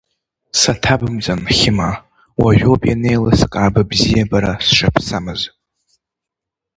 Саҭабымҵан, Хьыма, уажәоуп ианеилыскаа быбзиабара сшаԥсамыз!